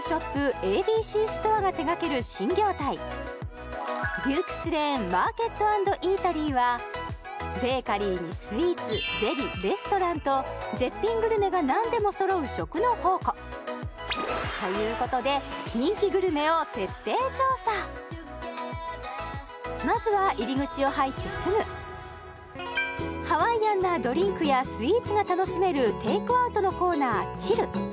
ＡＢＣストアが手掛ける新業態Ｄｕｋｅ’ｓＬａｎｅＭａｒｋｅｔ＆Ｅａｔｅｒｙはベーカリーにスイーツデリレストランと絶品グルメが何でもそろう食の宝庫ということでまずは入り口を入ってすぐハワイアンなドリンクやスイーツが楽しめるテイクアウトのコーナーｃｈｉｌｌ